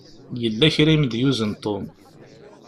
Yella kra i m-d-yuzen Tom.